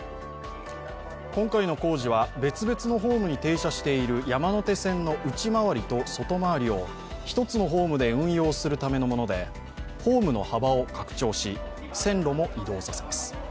今回の工事は別々のホームに停車している山手線の内回りと外回りを１つのホームで運用するためのものでホームの幅を拡張し、線路も移動させます。